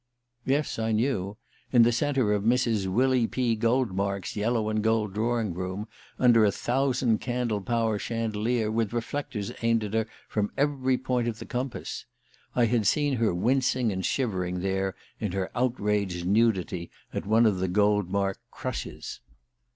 Yes, I knew: in the centre of Mrs. Willy P. Goldmark's yellow and gold drawing room, under a thousand candle power chandelier, with reflectors aimed at her from every point of the compass. I had seen her wincing and shivering there in her outraged nudity at one of the Goldmark "crushes."